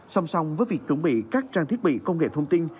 song song với việc chuẩn bị các trang thiết bị công nghệ thông tin